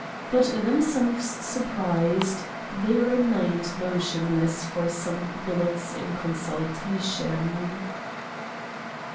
But themselves surprised, they remained motionless for some minutes in consultation.